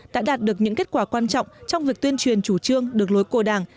đã đạt được những kết quả quan trọng trong việc tuyên truyền chủ trương được lối cô đảng